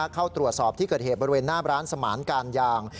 เข้าตรวจสอบที่เกิดเหตุบริเวณหน้าร้านสมานการยาง